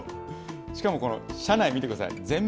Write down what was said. しかも、この車内見てください。